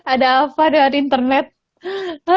ada apa dengan internetnya